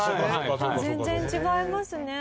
全然違いますね。